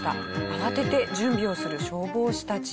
慌てて準備をする消防士たち。